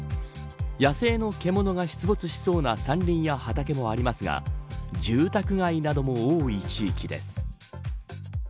野生の獣が出没しそうな山林や畑もありますが住宅街なども多い地域です。